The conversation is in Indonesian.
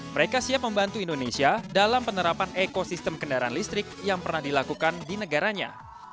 mereka siap membantu indonesia dalam penerapan ekosistem kendaraan listrik yang pernah dilakukan di negaranya